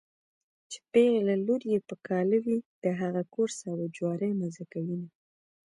چې پېغله لور يې په کاله وي د هغه کور سابه جواری مزه کوينه